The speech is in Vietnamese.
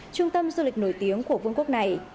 trung tâm du lịch nổi tiếng của vương quốc này